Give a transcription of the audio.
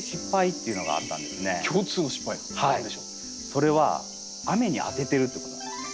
それは雨に当ててるってことなんですね。